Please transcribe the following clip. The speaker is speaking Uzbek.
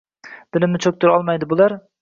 Dilimni chuktira olmaydi bular